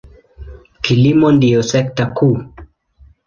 Kilimo ndiyo sekta kuu.